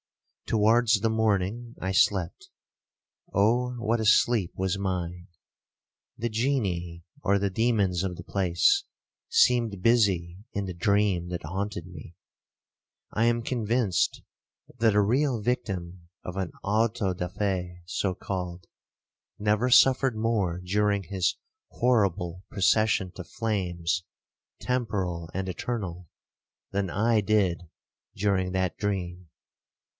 Towards the morning I slept,—Oh what a sleep was mine!—the genii, or the demons of the place, seemed busy in the dream that haunted me. I am convinced that a real victim of an auto da fe (so called) never suffered more during his horrible procession to flames temporal and eternal, than I did during that dream.